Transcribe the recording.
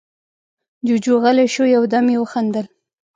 جُوجُو غلی شو، يو دم يې وخندل: